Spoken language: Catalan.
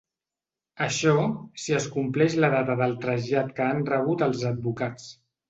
Això, si es compleix la data del trasllat que han rebut els advocats.